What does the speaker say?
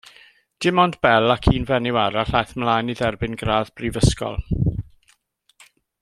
Dim ond Bell ac un fenyw arall a aeth ymlaen i dderbyn gradd brifysgol.